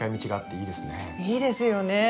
いいですよね。